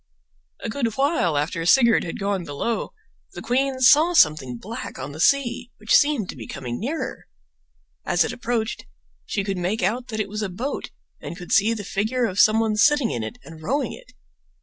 A good while after Sigurd had gone below the queen saw something black on the sea which seemed to be coming nearer. As it approached she could make out that it was a boat and could see the figure of some one sitting in it and rowing it.